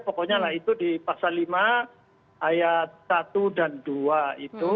pokoknya lah itu di pasal lima ayat satu dan dua itu